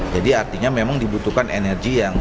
jadi artinya memang dibutuhkan energi yang